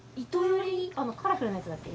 あのカラフルなやつだっけ？